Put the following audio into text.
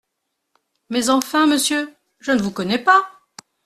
Mais enfin, monsieur, je ne vous connais pas.